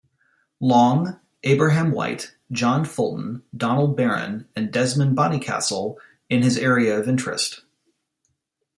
Long, Abraham White, John Fulton, Donald Barron and Desmond Bonnycastle-in his area of interest.